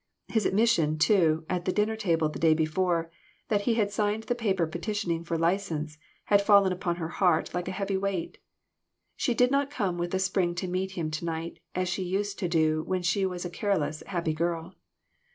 His admission, too, at the dinner table the day before, that he had signed the paper petitioning for license, had fallen upon her heart like a heavy weight. She did not come with a spring to meet him to night, as she used to do when she was a careless, happy girl.